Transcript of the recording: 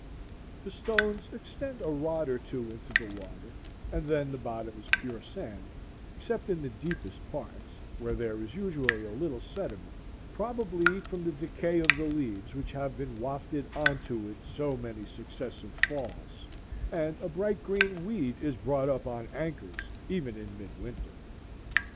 The stones extend a rod or two into the water, and then the bottom is pure sand, except in the deepest parts, where there is usually a little sediment, probably from the decay of the leaves which have been wafted on to it so many successive falls, and a bright green weed is brought up on anchors even in midwinter.